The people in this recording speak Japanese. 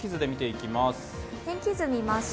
天気図で見ていきます。